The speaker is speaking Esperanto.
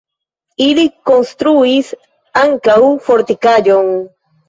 Ili konstruis ankaŭ fortikaĵon.